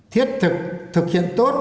thiết thực thực hiện tốt